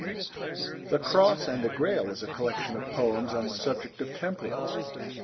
The Cross and the Grail is a collection of poems on the subject of temperance.